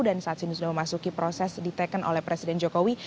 dan saat ini sudah memasuki proses ditekan oleh presiden jokowi